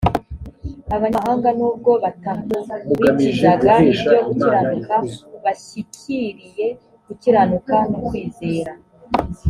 abanyamahanga nubwo batakurikizaga ibyo gukiranuka bashyikiriye gukiranuka no kwizera